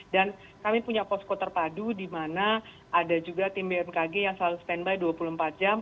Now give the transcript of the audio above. dan kami punya posko terpadu di mana ada juga tim bmkg yang selalu stand by dua puluh empat jam